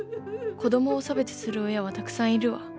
子供を差別する親はたくさんいるわ。